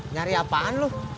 nyari apaan lu